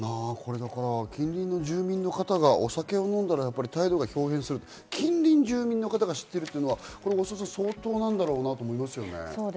近隣住民の方がお酒を飲んだら態度が豹変する、近隣住民の方が知っているというのは相当なんだろうなと思うんですけどね。